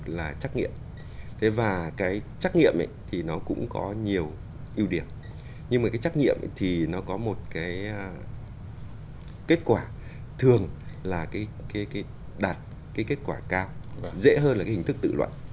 đó là chắc nghiệm và cái chắc nghiệm thì nó cũng có nhiều ưu điểm nhưng mà cái chắc nghiệm thì nó có một cái kết quả thường là cái đạt cái kết quả cao dễ hơn là cái hình thức tự luận